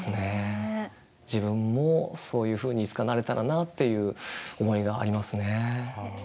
自分もそういうふうにいつかなれたらなっていう思いがありますね。